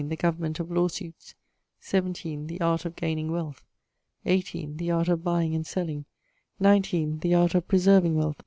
The Government of Law suites. 17. The Art of Gaining Wealth. 18. The Art of Buying and Selling. 19. The Art of Preserving Wealth.